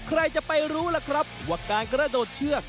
ใครจะไปรู้ล่ะครับว่าการกระโดดเชือก